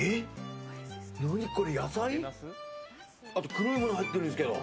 黒いもの入ってますけど。